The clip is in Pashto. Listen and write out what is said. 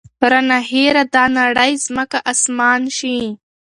رانه هېره دا نړۍ ځمکه اسمان شي